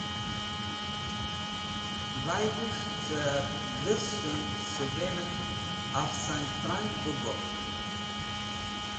Dhayvẽs̃h cẽ dhursẽn, shẽvẽnẽt afsangtang, bẽ gok̃ht.